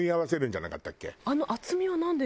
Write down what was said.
あの厚みはなんで？